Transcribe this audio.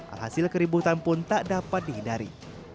alhasil keributan pun tak dapat dihindari